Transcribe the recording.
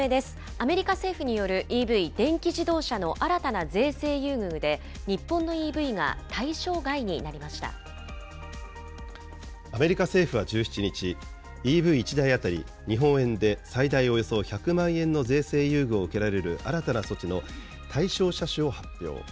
アメリカ政府によるＥＶ・電気自動車の新たな税制優遇で、日本のアメリカ政府は１７日、ＥＶ１台当たり日本円で最大およそ１００万円の税制優遇を受けられる新たな措置の対象車種を発表。